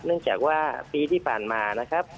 เนื่องจากว่าปีที่ผ่านมานะครับ